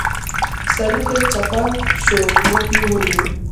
سورکی چپه شو مخ يې ونيو.